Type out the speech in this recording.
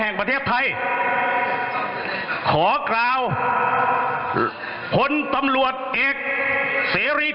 สั่งภูมิผมเลยครับดูสิครับ